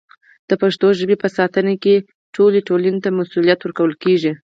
د پښتو ژبې په ساتنه کې ټولې ټولنې ته مسوولیت ورکول کېږي.